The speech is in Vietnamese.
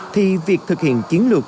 thì việc thực hiện chiến lược